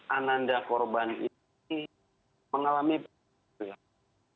ananda korban ini mengalami penurunan